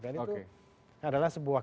dan itu adalah sebuah